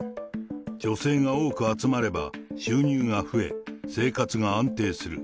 女性が多く集まれば収入が増え、生活が安定する。